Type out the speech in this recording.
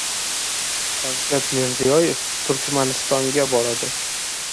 Shavkat Mirziyoyev Turkmanistonga boradi